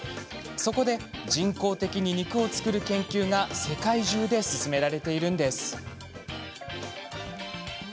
そこで人工的に肉を作る研究が世界中で進められているんです。